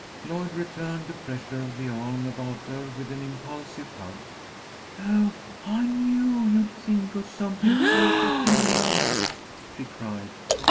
Lloyd returned the pressure of the arm about her with an impulsive hug. "Oh, I knew you'd think of something perfectly lovely," she cried.